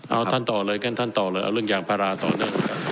เอาท่านต่อเลยแค่ท่านต่อเลยเอาเรื่องยางพาราต่อเนื่อง